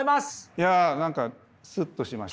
いや何かすっとしました。